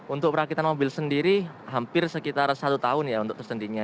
untuk perakitan mobil sendiri hampir sekitar satu tahun ya untuk tersendinya